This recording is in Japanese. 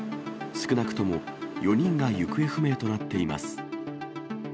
少なくとも４人が行方不明となっています。